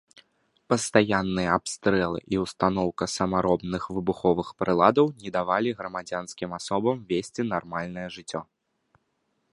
Пастаянныя абстрэлы і ўстаноўка самаробных выбуховых прыладаў не давалі грамадзянскім асобам весці нармальнае жыццё.